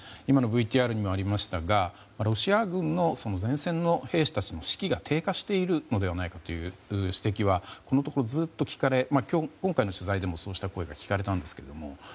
今のＶＴＲにもありましたがロシア軍の前線の兵士たちの士気が低下しているのではないかという指摘はこのところずっと聞かれていて今回の取材でもそうした声が聞かれたんですけど